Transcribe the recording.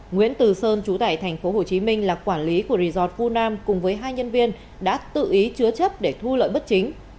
nguyễn từ sơn trú tại thành phố hồ chí minh là quản lý của resort vu nam cùng với hai nhân viên đã tự ý chứa chấp để thu lợi bất chính